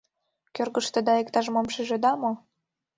Кӧргыштыда иктаж-мом шижыда мо?